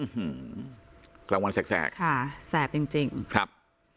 อื้อหือรางวัลแสกแสกค่ะแสบจริงจริงครับ